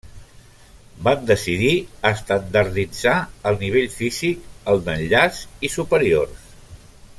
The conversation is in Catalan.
Van decidir estandarditzar el nivell físic, el d'enllaç i superiors.